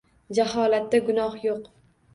Jaholatda gunoh yo’q.